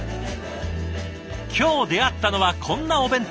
今日出会ったのはこんなお弁当たち。